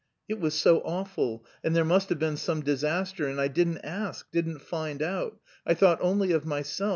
"It was so awful, and there must have been some disaster and I didn't ask, didn't find out! I thought only of myself.